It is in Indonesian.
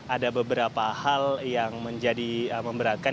ada beberapa hal yang menjadi memberatkan